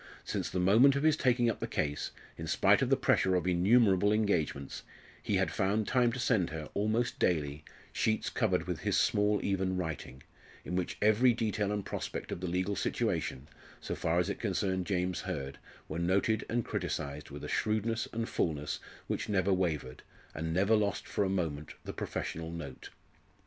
Since the moment of his taking up the case, in spite of the pressure of innumerable engagements, he had found time to send her, almost daily, sheets covered with his small even writing, in which every detail and prospect of the legal situation, so far as it concerned James Hurd, were noted and criticised with a shrewdness and fulness which never wavered, and never lost for a moment the professional note.